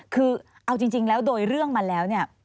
คือเอาจริงแล้วโดยเรื่องมาแล้วเนี่ย